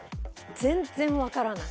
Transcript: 全然わからない。